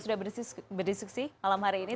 sudah berdiskusi malam hari ini